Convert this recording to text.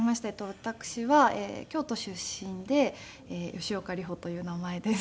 私は京都出身で吉岡里帆という名前です。